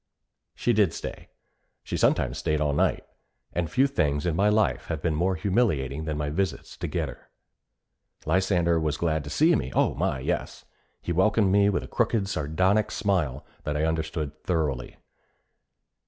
She did stay; she sometimes stayed all night; and few things in my life have been more humiliating than my visits to get her. Lysander was glad to see me oh my, yes! He welcomed me with a crooked sardonic smile that I understood thoroughly.